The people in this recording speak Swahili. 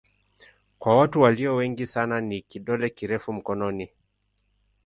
Kwa watu walio wengi sana ni kidole kirefu mkononi.